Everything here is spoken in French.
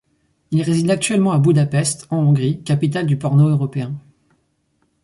Il réside actuellement à Budapest, en Hongrie, capitale du porno européen.